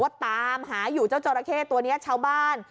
ก็ตามหาอยู่เจ้าจอราเข้ตัวนี้ชาวบ้าน